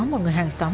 một người hàng xóm